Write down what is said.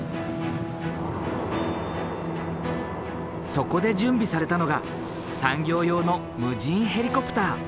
そこで準備されたのが産業用の無人ヘリコプター。